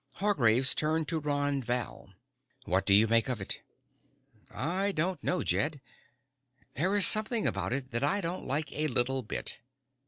Hargraves turned to Ron Val. "What do you make of it?" "I don't know, Jed. There is something about it that I don't like a little bit.